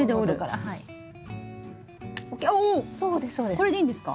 これでいいんですか？